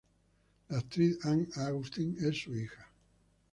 La actriz Ann Augustine es su hija.